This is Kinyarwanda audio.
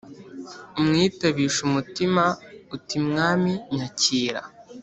umwitabishe umutima. uti mwami, nyakira !